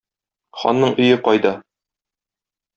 Ханның өе кайда?